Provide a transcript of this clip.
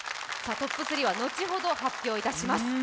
トップ３は後ほど発表いたします。